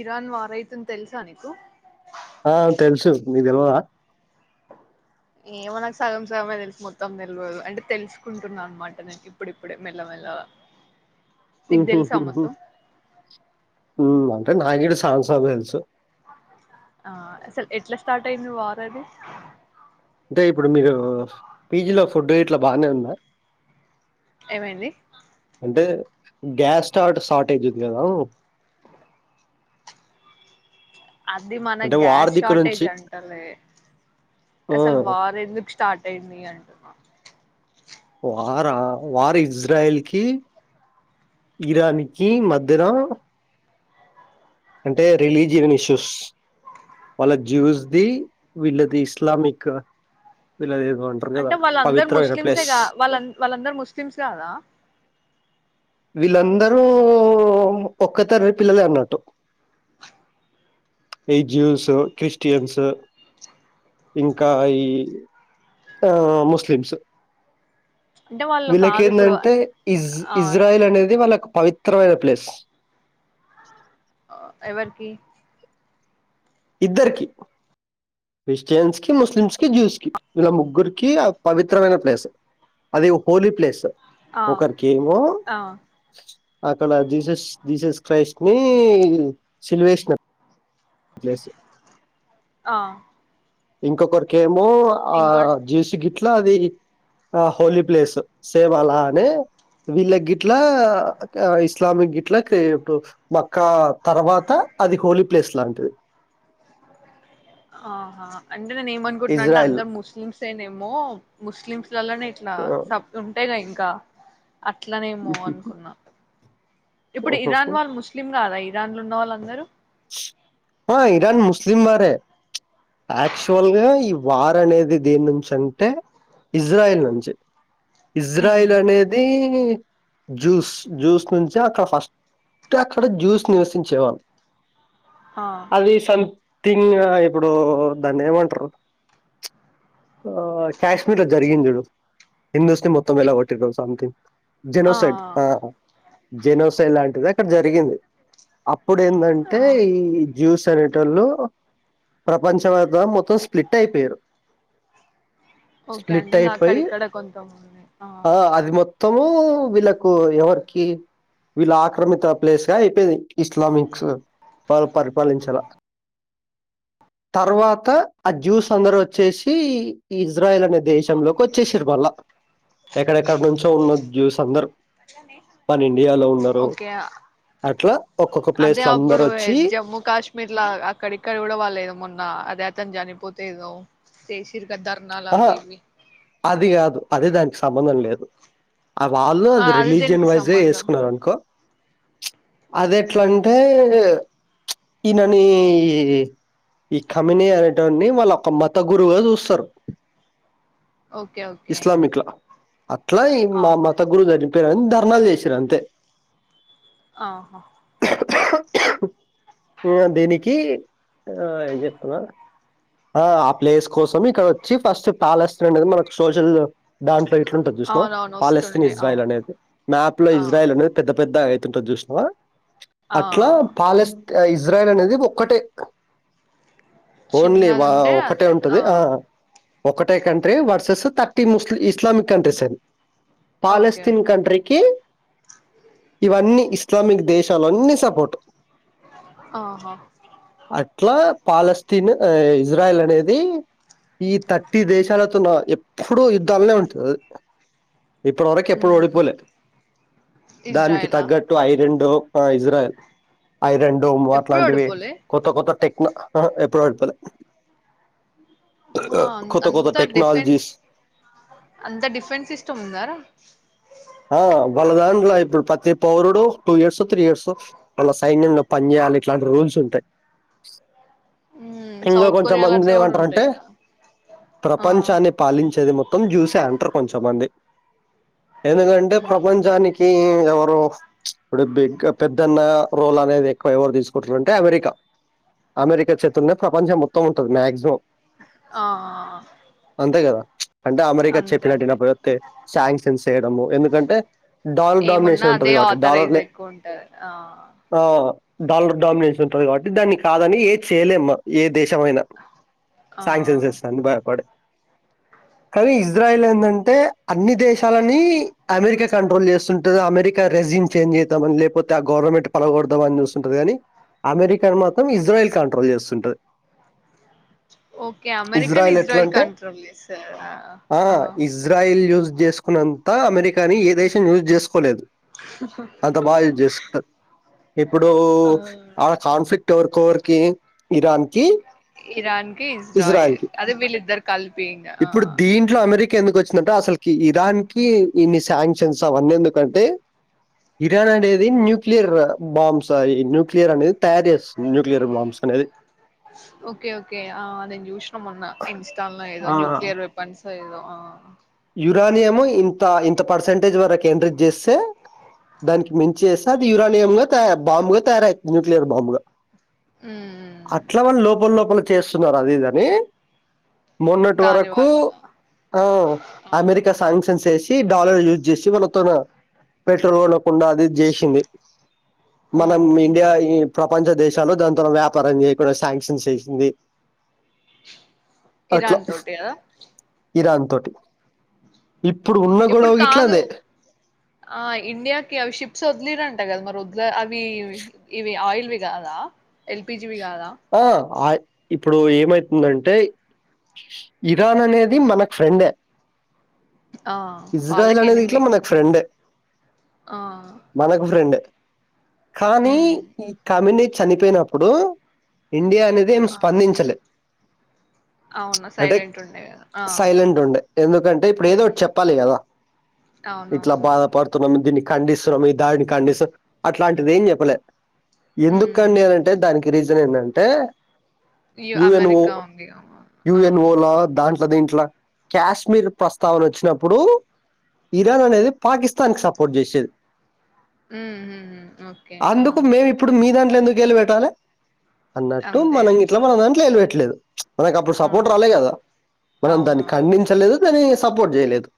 Iran వారైతుంది తెలుసా నీకు ఆ తెలుసు మీ తెలవా ఏమో నాకు సగం సగమే తెలుసి మొత్తం తెలియదు అంటే తెలుసుకుంటున్నా అనమాట నేకు ఇప్పుడిప్పుడే మెల్ల మెల్ల ఓహ అంటే నాగిడు సాన్సబ తెలుసు ఆ అసలు ఎట్లా స్టార్ట్ అయింది వారు అది అంటే ఇప్పుడు మీరు పీజీలో ఫుడ్ రేట్లా బాగానే ఉందా ఏమండి అంటే గ్యాస్ స్ర్ సార్టేజ ఉంది అది మన అంటే వార్ గ్యాస్ దిక్కు నుంచి షార్టేజ్ అంటలే ఆ! అసలు వారు ఎందుకు స్టార్ట్ ఎన్నీ కంటున్నా వార వారు ఇజ్రాయల్ కి ఇరాన్కి మధ్యన అంటే రిలీజియన్ ఇష్యూస్ వాళ్ళ జ్యూస్ది వీళ్ళది ఇస్లామిక్ వీళ్ళది అంటే వాళ్ళందరు ముస్లిమ్సే కా వాళ్ళ వాళ్ళందరు ముస్లిమ్స్ కాదా వీళ్ళందరూ ఒక్క తర పిల్లలే అన్నట్టు జ్యూస్ క్రిస్టియన్స్ ఇంకా ఈ ముస్లిమ్స్ అంటే వాళ్ళు కాదు ఇప్పుడు వీళ్ళకింటంటే ఇజ ఆ ఇజ్రాయిల్ అనేది వాళ్ళకు పవిత్రమైన ప్లేస్ ఎవరికి ఇద్దరికి క్రిస్టియన్స్ కి ముస్లిమ్స్ కి జ్యూస్ కి ఇలా ముగ్గురికి పవిత్రమైన ప్లేస్ అది హోలీ ప్లేస్ ఆ ఒకరికి ఏమో ఆ అక్కడ జీసస్ జీసస్ క్రైస్ట్ ని సిల్వేషిన జేస ఆ ఇంకొకరికే మో ఆ ఇంకోటి జస గ ట్లా అది ఆ హోలీ ప్లేస్ సేమ్ అలా అనే వీళ్ళ గిట్లా ఇస్లామిక్ గిట్ల ఇప్పుడు మక్కా తర్వాత అది హోలీ ప్లేస్ లాంటిది ఆహా అంటే ఏమనుంటున్నానంట ఇజ్రాయిల్. అందరు ముస్లిమ్స్ సేనేమో ముస్లింస్ పలనే ఇట్లా ఆ! సబ్ ఉంటేయిగా ఇ క్క అట్లనేమో హుహుహు. అనుకున్నా ఇప్పుడు ఓహోహో! ఇరాన్ వాళ్ళు ముస్లిం కాదా ఇరాన్ ఉన్న వాళ్ళందరూ ఆ ఇరాన్ ముస్లిం వారే యాక్చువల్గా ఈ వార్ అనేది దేని నుంచి అంటే ఇజ్రాయల్ నుంచి ఉమ్ ఇజ్రాయిల్ అనేది జ్యూస్ జ్యూస్ నుంచి అక్కడ ఫస్ట్ అక్కడ జ్యూస్ నివసించేవాళ్ళం ఆ అది సం థింగ్ ఇప్పుడు దాన్ని ఏమంటారు ఆ కాశ్మీర్ లో జరిగింది చడు హిందూస్ ని మొత్తం ఎ- వెళగొట్టి సంథింగ్ ఆ జెనోసైట్ జెనోసా లాంటిది అక్కడ జరిగింది అప్పుడు ఏంటంటే ఆ టై జ్యూస్ అనేటళ్ళు ప్రపంచమత మొత్తం స్ప్లిట్ అయిపోయారు ఓకే అంటే స్ప్లిట్ ఇంకా అయిపోయి అక్కడక్కడ కొంత ఉంది ఆ! అది మొత్తము వీళ్ళలకు ఎవరికి వీళ్ళ ఆక్రమిత ప్లేస్ గా అయిపోయింది ఇస్లామిక్స్ వాళ్ళు పరిపాలించాల తర్వాత ఆ జ్యూస్ అందరు వచ్చేసి ఇజ్రాయల్ అనే దేశంలోకి వచ్చేసిరు మళ్ళా ఎక్కడెక్కడ నుంచో ఉన్న జ్యూస్ అందరుూ మన ఇండి ఇండియాలో ఉన్నారు ఓకే అట్లా ఒక్కొక్క ప్లేస్ లోందరు ఒ తే జమ్మూ కాశ్మీర్ లో అక్కడిక్కడ కూడా వాళ్ళు ఏద మొన్న అదే అతను చనిపోతు ఏదో చేసిర్ ద్దర్నా ఆహా! అవ్వీ ఇవ్వ అది కాదు అది దానికి సంబంధం లేదు ఆ వాళ్ళు ఆ, అది దేనికి రిలీజియన్ వైజ్ సంబంధం వేసుకున్నారు అనుకో అది ఉమ్ ఎట్లాంటే ప్చ్ ఈయనని ఈ కమినీ అనేటోన్ని వాళ్ళ మత గురువుగా చూస్తరు ఓకే ఓకే ఇస్లామిక్‌ల. అట్లా ఈ మా ఆహా మత గురు జరిగి అందరు ధర్నాలు చేసిన్రు అంతే ఆహా హా హా ఇగ దీనికి ఏం చెప్తున్నా ఆ ప్లేస్ కోసం ఇక్కడ వచ్చి ఫస్ట్ పాలెస్ అనేది మనకు సోషల్ దాంట్లో ఇట్లుంటంది చూసినావా అవునవును పాలెస్తీన్ వస్తుండే ఇజ్రాయిల్ అవును అనేది మ్యాప్ లో ఆ ఇజ్రాయల్ అనేది పెద్ద పెద్ద అట్లుంటది చూసినవా ప్చ్ ఆ అట్లా పాలెస్ ఇగ ఇజ్రాయల్ అనేది ఒక్కటే ఓన్లీ చిన్నది వా ఉంటే ఒకటే అదే ఉంటది ఆ ఒకటే country versus thirty ముస్లి Islamic countries అది ఓకే పాలెస్తీన్ ఓకే కంట్రీకి ఇవన్నీ ఇస్లామిక్ దేశాలన్నీ సపోర్ట్ ఆ హా అట్లా పాలస్తీన్ ఇజ్రాయల్ అనేది ఈ థర్టీ దేశాలతోని ఎప్పుడు యుద్ధాలే ఉంటయి ఇప్పటి వరకు ఎప్పుడు మ్మ్ ఓడిపోలే దానికి ఇజ్రాయలా తగ్గట్టు ఐర్యాండో ఆ ఇజ్రాయిల్ ఐరన్డూమ్ ఎప్పుడు అట్లాంటివి ఓడిపోలే కొత్త కొత్త టెక్న ఆ ఎప్పుడు చెప్పలే అమ్మా అంత డిఫెన్స్ అంత డిఫెన్స్ సిస్టమ్ ఉన్నాదరా ఆ! వాళ్ళ దాంట్లో ఇప్పుడు ప్రతి పౌరుడు టూ ఇయర్స్ త్రీ ఇయర్స్ మన సైన్యంలో పని చేయాలి ఇట్లాంటి రూల్స్ ఉంటయి మ్మ్ ఇంకా సౌత్ కొంత కొరియాలో మందిని అట్లా కూడా ఉంటాయి ఏమంటారంటే కదా ఆ ప్రపంచాన్ని పాలించేది మొత్తం జ్యూసే అంటర్ కొంత మంది ఎందుకంటే మ్మ్ ప్రపంచానికి ఎవరు ప్చ్ ఇప్పుడు బిగ్ పెద్దన్నా రోల్ అనేది ఎక్కువ ఎవరు తీసుకుంటారంటే అమెరికా, అమెరికా చేతుల్నే ప్రపంచం మొత్తం ఉంటుంది మాక్సిమం అంతే గదా! ఆఆ అంటే అమెరికా చెప్పినట్టు వినకపోతే శాంగ్సన్స్ చేయడము ఎందుకంటే డాలర్ ఏమున్నా డామినేషన్ అదే ఉంటది గాబట్టి. డాలర్ ఆథరైజ్ ఎక్కువ ఉంటది ఆ ఆ! డాలర్ డామినెన్స్ ఉంటది కాబట్టి దాన్ని కాదని ఏది చేయలేమ్మ ఏ దేశమయినా ట్యాంక్ ఆ సెన్సెస్ అని భయపడే కానీ ఇజ్రాయల్ ఎందంటే అన్ని దేశాలని అమెరికా కంట్రోల్ చేస్తుంటది అమెరి రెజీమ్ చేంజ్ చేద్దామని లేపోతే ఆ గవర్నమెంట్ పలగొడదామని చూస్తుంటది కాని అమెరికాను మాత్రం ఇజ్రాయల్ కంట్రోల్ చేస్తుంటది ఓకే అమెరికన్ ఇజ్రాయెల్ కంట్రోల్ చేస్తాదా ఆ! ఇజ్రాయెల్ యూజ్ జేసుకున్నంత అమెరికాని ఏ దేశం యూజ్ చేస్ కోలేదు అంత బాగా యుజ్ చేసుకుంటది ఇప్పుడు ఆ ఆ కాన్ఫ్లిక్ట్ ఎవరు కోర్కి ఇరాన్ కి ఇరాన్ ఇజ్రాయిల్ అదే వీళ్ళిద్దరు కలిపి ఇంగ ఆ ఇప్పుడు దీంట్లో అమెరికా ఎందుకు వచ్చిందంటే అసలుకి ఇరాన్ కి ఇన్ని శాంక్షన్స్ అవన్నీ ఎందుకంటే ఇరాన్ అనేది న్యూక్లియర్ బాంస్ న్యూక్లియర్ అనేది తయారు చేస్తుంది న్యూక్లియర్ బాంబ్స్ అనేది ఓకే ఓకే ఆ నేను చూసినా మొన్న ఇన్స్ట్ లో ఎదో ఆ, న్యూక్లియర్ వేపన్స్ స ఏదో ఆ యురాని ఏమో ఇంత ఇంత పర్సంటేజ్ వరకు ఎంటర్ జేస్తే దానికి మించి చేస్తే అది యురానియంగా తయా బాంబుగా తయారైతుంది న్యూక్లియర్ బాంబుగా ఉమ్ అట్లా వాళ్ళు లోపల లోపలికి చేస్తున్నారు అదిదని మొన్నటి దాని వరకు వల్ల ఆ అమెరికా శాంక్షన్స్ ఏసి టి డాలర్ యూజ్ చేసి వాళ్ళతోన పెట్రోల్ కొనకుండా అది ఇది చేసింది ఆ మనం ఇండియా ఈ ప్రపంచ దేశాలో దాని తోనా వ్యాపారం చేయకుండా శాంక్షన్ చేసింది అట్లా ఇరాన్ తోటి కద ఇరాన్ తోటి ఇప్పుడు ఉ ఉన్న ఇప్పుడు గొడవ కాదు ఇట్లానే ఆ ఇండియాకి అవి షిప్స్ వదిలిరంట కదా మరి వ జ అది వి ఇవి ఇవి ఆయిల్ ఇవి కాదా ఎల్పిజి జీవి కాదా ఆ ఆ- ఇప్పుడు ఏమైతుందంటే ఇరాన్ అనేది మనకు ఫ్రెండే ఆ ఇజ్రాయల్ వాళ్ళకి అనేది ఇట్లా ఎనిమి మనకు ఫ్రెండే ఆ మదకు ఫ్రెండ్ కానీ ఉమ్ ఈ కమ్యూనిటి చనిపోయినప్పుడు ఇండియా అనేది ఏం ఆ స్పందించలే అవును అంటే సైలెంట్ ఉండే కదా ఆ సైలెంట్ ఉండా ఎందుకంటే ఇప్పుడు ఏదో ఉమ్ ఒకటి చెప్పాలి కదా ఇట్లా అవునవును బాధపడుతున్నాము దీనిక్ ఖండిస్తున్నాం ఈ దారిని ఖండిస్తాం అట్లాంటిది ఏం చెప్పల ఎందుకు ఉమ్ కన్యారు అంటే దానికి రీజ్ [unintelligible] ఏందంటే ఈ అమెరికా వుంది ఆ తప్ప దీంట్లో కాశ్మీర్ ప్రస్తావన వచ్చినప్పుడు ఇరాన్ అనేది పాకిస్తాన్ కి సపోర్ట్ చేసేది ఉ హు హు ఓకే ఆ గేలూ వెేటాలే అన్నట్టు అంతే మనం గిట్లా మన అనిపిస్తది దాంట్లో ఏలు వెట్టలేదు మనకు అప్పుడు ఆ సపోర్ట్ రాలే కదా మనం దాన్ని అవునవును ఖండించలేదు దాని సపోర్ట్ జేయలేదు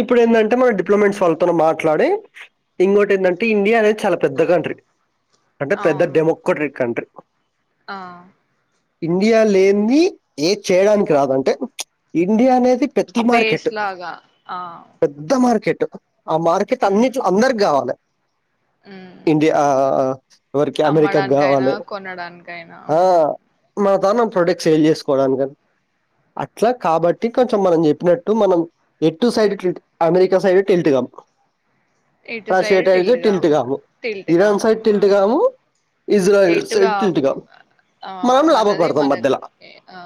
ఇప్పుడు ఏందంటే మనం డిప్లమెన్స్ వాళ్ళతో మాట్లాడి ఇంకోటి ఏందంటే ఇండియా అనేది చాలా పెద్ద కంట్రీ అంటే పెద్ద అవును డెమోక్రటిక కంట్రి ఆ ఇండియా లేనిది ఏది చేయడానికి రాదు అంటే ఇండియా అనేది ది పెద్ద బేస్ మార్కెట్ లాగా ఆ పెధ్ధ మార్కెట్ టు కు ఆ మార్కెట్ ఉమ్ అన్నిట్లో అందరికి గావాలె ఉమ్ ఇండియా అ ఆ ఎవరికి అమెరికాకి అమ్మడానికైనా కావాలి కొనడానికైనా ఆ ఉమ్ మన దానం ప్రోడక్ట్ సేల్ చేసుకోవడానికి అట్లా కాబట్టి కొంచెం మనం చెప్పినట్టు మనం ఎటు సైడ్ అమెరికా సైడ్ ట ఎల్టిగాం ఇటు సైడ్ టేల్టు గాము టెల్టుగాము టేల్టు గాము ఇజ్రాయెల్ సైడ్ టెల్టు గొము ఆ మనము మనది లాభపడతాం మన మధ్యలో ఆ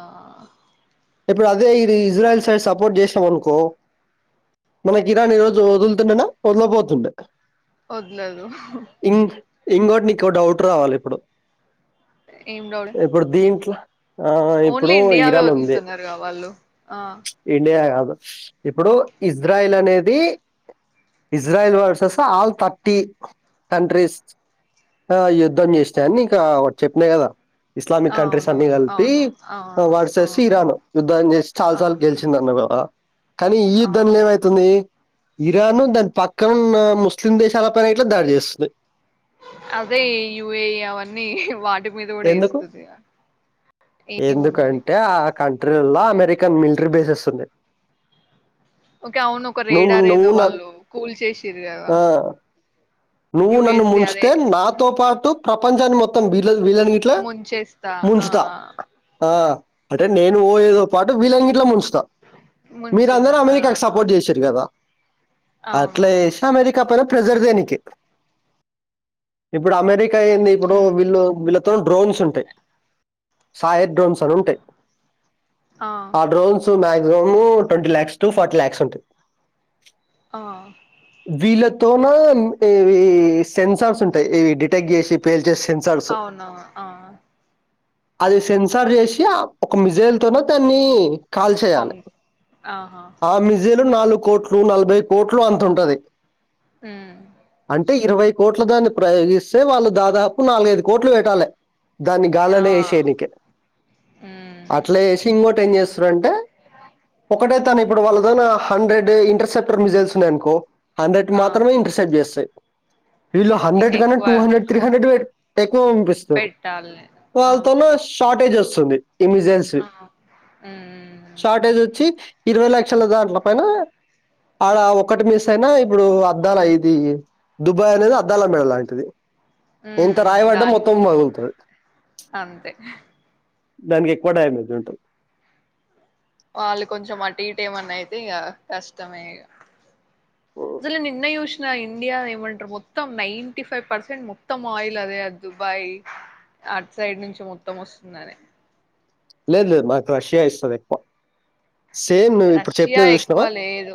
ఇప్పుడు అదే ఇది ఇజ్రాయిల్ సైడ్ సపోర్ట్ చేసినాం అనుకో మనకి ఇరాన్ ఈరోజు వదులుతుండేనా వదిలపోతుండే వద్లదు ఇంగోటి నీకు ఓ డౌట్ రావాలి ఇప్పుడు ఏం డౌట్ ఇప్పుడు దీంట్లో ఆ ఓన్లీ ఇప్పుడు ఇండియావే ఇరాన్ ఉంది. వదులుతున్నారుగా వాళ్ళు ఆ చ్ ఇండియా కాదు. ఇప్పుడు ఇజ్రాయిల్ అనేది Israel versus all thirty countries. ఆ యుద్ధం చేస్తా అని ఇకా ఒకటి చెప్పినా కదా. ఇస్లామిక్ కంట్రీస్ అన్ని అవునవును కలిపి అవును అవును ఆ వార్సేసి ఇరాన్ యుద్ధం చేసి ఆ చాలాసార్లు గెలిచిందిన్నరు. ఆ కానీ ఈ ఆ యుద్ధంలో ఏమైతుంది ఇరాన్ దాని పక్కన న్నాము ముస్లిం దేశాల పైన ఇట్లా దాడి చేస్తుంది. అదే యువే యవన్నీ వా ఇంటి మీద ఎందుకు ఎస్తుంది ఇగ ఏమో మరి ఎందుకంటే ఆ కంట్రీలలో అమెరికన్ మిలిటరీ బేసెస్ ఉన్నాయ్. ఓకే అవును ఒక రేడ రె ఏదో వాళ్ళు కూల్ చేసిరు కదా. ఆ, నువ్వు నన్ను యుఎస్ది అదే ముంచితే నాతో పా తు ప్రపంచాన్ని మొత్తం బి వీలన్ ఇట్లా వీళ్ళని ఇట్లా ముంచేస్తా ఆ ముంచుత ఆ అంటే నేను ఓ ఏదో పాటు వీళ్లంగిట్ల ముంచు త ముంచేదా మీరందరు ఆ అమెరికాకి సపోర్ట్ చేసిరు కదా. అట్ల అవునవును ఏషి అమెరికా పద ప్రెజర్ దేనికి ఇప్పుడు అమెరిక్ కైయింది ఇప్పుడు ఉమ్ వీళ్ళు త్తం డ్రోన్స్ ఉంటాయి. సాయ డ్రోన్స్ అని ఉంటాయి ఆ డ్రోన్స్ మ్యా రోము twenty lakhs to forty lakhs ఉంట ఆ తుమా లేమ్ ఇవి సెన్సార్స్ ఉంటాయి ఇవి డిటెక్ట్ చేసి పేల్చేసి అవునవును ఆ అది సెన్సార్ చేసి ఆ ఒక మిజైల్ తోనోతన్ని పం కాల్చేయాలి ఆహా ఆ మిజైలు నాలుగు కోట్లు నలభై కోట్లు అంత ఉంటది హమ్ అంటే ఇరవై కోట్ల దాన్ని ప్రయోగిస్తే వాళ్ళు దాదాపు నాలుగైదు కోట్లు వేట్టాలి దాన్ని ఆ గాల్లోన ఏసైనికె ఉమ్ అట్లా వేసి ఇంకోటి ఏం చేస్త శ్రంటే ఒకటే తను ఇప్పుడు వాళ్ళతోనా హండ్రెడ్ ఇంటర్సెప్టర్ మిజైల్స్ ఉన్నాయనుకో హండ్రెడ్ ఆ మాత్రమే ఇంటర్సెప్ట్ చేస్ వీటీలో హండ్రెడ్ కన్నా ఇంకెక్కువ టూ హండ్రెడ్ త్రీ హండ్రెడ్ ఎక్కువ పంపిస్తారు పెట్టాలి ఆ, వాళ్ళతోనా ఓకే షార్టేజ్ వస్తుంది వస్తుంది ఇమిజెన్స్ ఆ ఉమ్ షార్టేజ్ అచ్చి ఇరవై లక్షల దాంట్లో పైన ఆడ ఒకటి మిస్ అయినా ఇప్పుడు అద్దాలుయిది దుబాయ్ అనేది అద్దాల మేడ లాంటిది ఎంత ఉమ్ రాయవాడ్డ దానికి మొత్తం పగుల్తది అంతే దానికి ఎక్కువ టైమింగ్ ఉంటది వాళ్ళు కొంచెం అటు ఇటు ఏమన్నా అయితే ఇక కష్టమే ఇక అసలు నిన్న చూసిన ఇండియా ఏమంటారు మొత్తం నైంట ఫైవ్ పర్సెంట్ మొత్తం ఆయిల్ అదే ఆ దుబాయ్ అటు సైడ్ నుంచి మొత్తం వస్తుంది లేదు లేదు నాకు రష్యా ఇస్తుంది ఎక్కువ సేమ్ నువ్వు ఇప్పుడు రష్యా చెప్పిన ఎక్కువ చూసినావా లేదు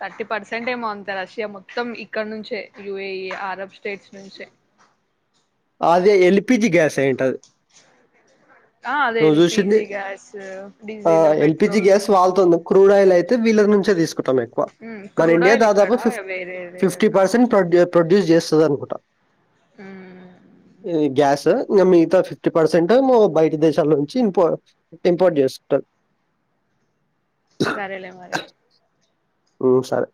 థర్టీ పర్సెంట్ ఏమో రష్యా మొత్తం ఇక్కడ నుంచే యూఏ ఐ అరబ్ స్టేట్స్ నుంచే అదే ఎల్పిజి గ్యాస్ అయి ఉంటాది ఆ అదే చూసింది ఎల్పిజి గ్యాస్ ఆ డీజిల్ ఎల్పిజి పెట్రోల్ గ్యాస్ వాళ్ళతో క్రూడ్ ఆయిల్ వీళ్ళ నుంచే తీసుకుంటం ఎక్కువ ఉమ్ మన ఇండియా క్రూడాయిల్ ఇక్కడ దాదాపు ఫిఫ్ వేరేది ఫిఫ్టీ ఆ పర్సెంట్ ప్రొడ్యూస్ చేస్తే ఇస్తదనుకుంటా ఉ గ్యాస్ ఇంగా మిగతా ఫిఫ్టీ పర్సెంట్ బయట దేశాల నుంచి ఇం ఇంపోర్ట్ చేస్తూ ఉంటారు సరేలే మరి ఉ సరే